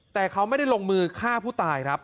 แต่เขาไม่ได้ลงมือฆ่าผู้ตายครับ